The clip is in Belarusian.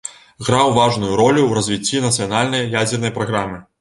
Граў важную ролю ў развіцці нацыянальнай ядзернай праграмы.